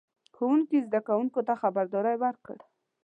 ښوونکي زده کوونکو ته خبرداری ورکړ.